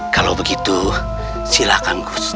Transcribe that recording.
kalau begitu silahkan